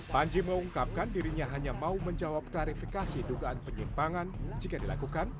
panji mengungkapkan dirinya hanya mau menjawab klarifikasi dugaan penyimpangan jika dilakukan